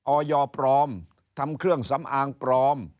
ออยปลอมทำเครื่องสำอางปลอม